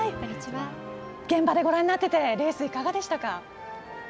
現場でご覧になっていてレース、いかがでしたか？